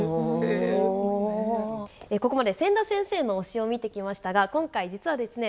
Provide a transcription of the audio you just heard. ここまで千田先生の推しを見てきましたが今回実はですね